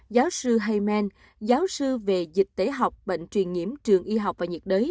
giáo sư hayman giáo sư về dịch tế học bệnh truyền nhiễm trường y học và nhiệt đới